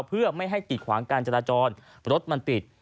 เพื่อไม่ให้กิดขวางการจราจรรถมันปิด